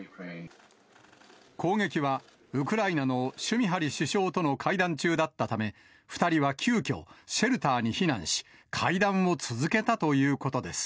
攻撃はウクライナのシュミハリ首相との会談中だったため、２人は急きょ、シェルターに避難し、会談を続けたということです。